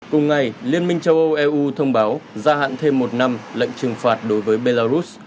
cùng ngày liên minh châu âu eu thông báo gia hạn thêm một năm lệnh trừng phạt đối với belarus